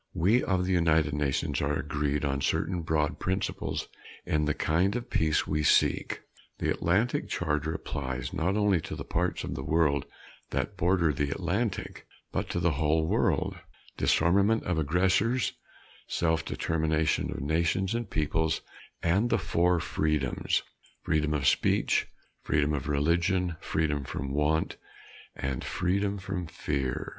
We of the United Nations are agreed on certain broad principles in the kind of peace we seek. The Atlantic Charter applies not only to the parts of the world that border the Atlantic but to the whole world; disarmament of aggressors, self determination of nations and peoples, and the four freedoms freedom of speech, freedom of religion, freedom from want, and freedom from fear.